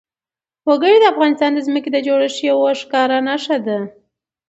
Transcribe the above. وګړي د افغانستان د ځمکې د جوړښت یوه ښکاره نښه ده.